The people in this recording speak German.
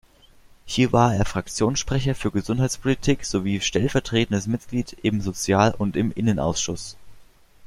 Hier war er Fraktionssprecher für Gesundheitspolitik sowie stellvertretendes Mitglied im Sozial- und im Innenausschuss.